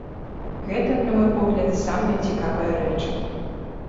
Гэта, на мой погляд, самыя цікавыя рэчы.